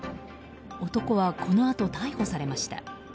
男は、このあと逮捕されました。